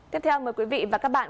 tiếp theo mời quý vị và các bạn